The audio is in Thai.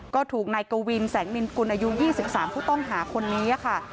ก็ถูกนายกวินแสงนินกุลอายุ๒๓ผู้ต้องหาคนนี้ค่ะ